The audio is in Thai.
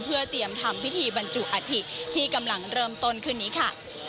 เพื่อเตรียมทำพิธีบรรจุอัฐิที่กำลังเริ่มต้นขึ้นนี้ค่ะ